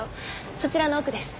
そちらの奥です。